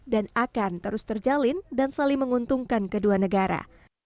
dan akan terus terjalin dan saling menguntungkan kedua negara